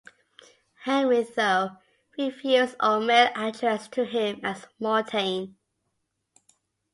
Henri, though, refused all mail addressed to him as Mortain.